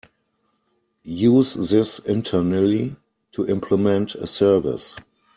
Use this internally to implement a service.